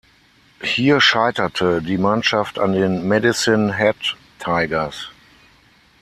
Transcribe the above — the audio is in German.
Hier scheiterte die Mannschaft an den Medicine Hat Tigers.